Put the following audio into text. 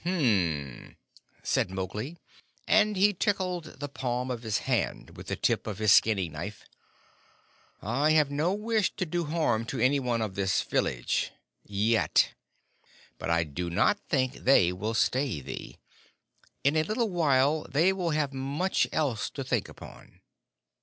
"H'm!" said Mowgli, and he tickled the palm of his hand with the tip of his skinning knife; "I have no wish to do harm to any one of this village yet. But I do not think they will stay thee. In a little while they will have much else to think upon.